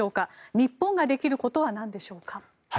日本ができることはなんでしょうか。